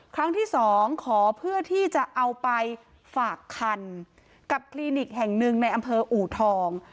ครั้งที่สองขอเพื่อที่จะเอาไปฝากคันกับคลินิกแห่งหนึ่งในอำเภออูทอง